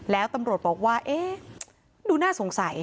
แล้วตำรวจบอกว่าเอ๊ะดูน่าสงสัย